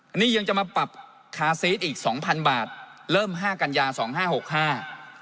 อันนี้ยังจะมาปรับคาซีสอีกสองพันบาทเริ่มห้ากัญญาสองห้าหกห้า